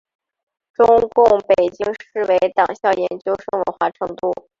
中共北京市委党校研究生文化程度。